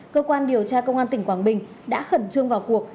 cơ quan điều tra công an tỉnh quảng bình đã khẩn trương vào cuộc